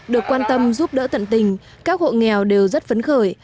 được quan tâm giúp đỡ tận tình các hộ nghèo đều rất phấn khởi